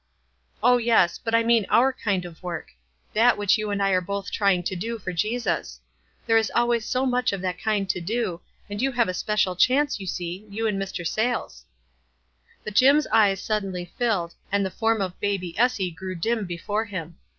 "Oh, yes. But I mean our kind of work; that which you and I are both trying to do for WISE AND OTHERWISE. 103 Jesus. There is always so much of that kind to do, and you have a special chance, you see, you and Mr. Sayles." But Jim's eyes suddenly filled, and the form of baby Essie grew dim before him.